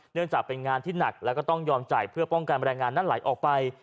เนื่องจากเป็นงานที่หนักแล้วก็ต้องยอมจ่ายเพื่อป้องกันแรงงานนั้นไหลออกไป